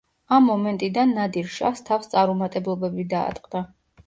ამ მომენტიდან ნადირ-შაჰს თავს წარუმატებლობები დაატყდა.